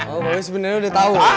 oh sebenarnya udah tau